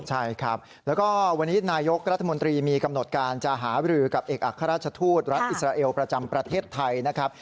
ใช่ครับแล้วก็วันนี้นายกรัฐมนตรีมีกำหนดการจะหาบรือกับเอกอัครราชทูตรัฐอิสราเอลประจำประเทศไทยนะครับ